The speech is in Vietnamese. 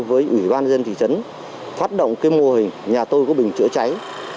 với ủy ban dân thị trấn phát động cái mô hình nhà tôi có bình chữa cháy